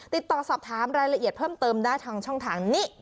ติดต่อสอบถามรายละเอียดเพิ่มเติมได้ทางช่องทางนี้